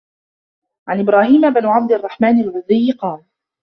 عَنْ إبْرَاهِيمَ بْنِ عَبْدِ الرَّحْمَنِ الْعُذْرِيِّ قَالَ